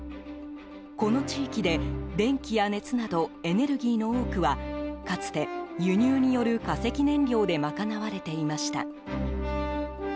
この地域で、電気や熱などエネルギーの多くはかつて、輸入による化石燃料で賄われていました。